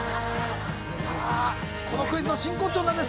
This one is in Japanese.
さあこのクイズの真骨頂なんです